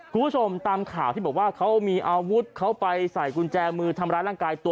คุณผู้ชมตามข่าวที่บอกว่าเขามีอาวุธเขาไปใส่กุญแจมือทำร้ายร่างกายตัว